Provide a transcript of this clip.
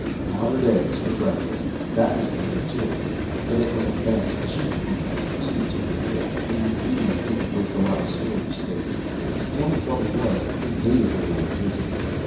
Powdered eggs for breakfast. That was murder, too. But it was a fast, cheap meal, easy to prepare, and the ingredients didn't waste a lot of storage space. The only trouble was, he hated the way they tasted.